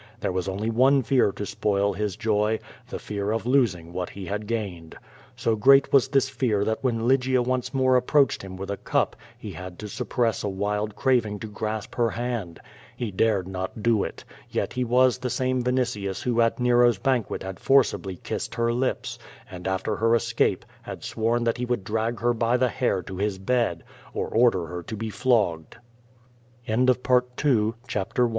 There was only one fear to spoil his joy — the fear of losing what he had gained. So great was this fear that when Lygia once more approached him with a cup he had to suppress a wild craving to grasp her hand. He dared not do it; yet he was the same Vinitius who at Nero's banquet had forcibly kissed her lips, and after her escaj^e had sworn that he would drag her by the hair to his bed, or order